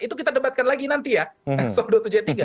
itu kita debatkan lagi nanti ya episode dua ratus tujuh puluh tiga